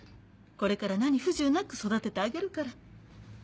これから何不自由なく育ててあげるから。